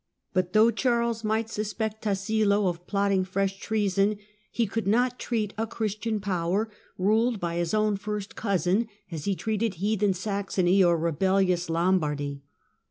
But though Charles might suspect Tassilo of plotting fresh treason, he could not treat a Christian power, ruled by his own first cousin, as he treated heathen Saxony or rebellious Lombardy.